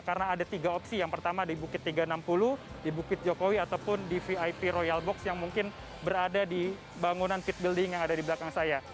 karena ada tiga opsi yang pertama di bukit tiga ratus enam puluh di bukit jokowi ataupun di vip royal box yang mungkin berada di bangunan pit building yang ada di belakang saya